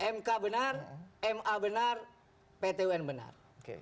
mk benar ma benar ptwn benar